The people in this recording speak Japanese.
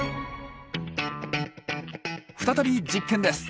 再び実験です。